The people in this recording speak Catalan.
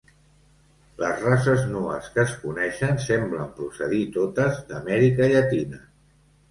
Les races nues que es coneixen semblen procedir totes d'Amèrica Llatina.